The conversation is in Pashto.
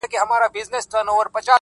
د ښايست و کوه قاف ته، د لفظونو کمی راغی